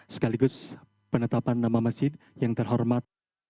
sekaligus penetapan nama masjid yang terhormat